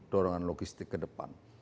dorongan logistik ke depan